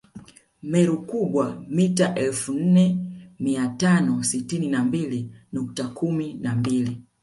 Meru Kubwa mita elfu nne mia tano sitini na mbili nukta kumi na mbili